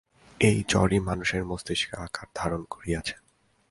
এই জড়ই মানুষের মস্তিষ্কের আকার ধারণ করিয়াছে।